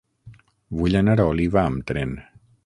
Vull anar a Oliva amb tren.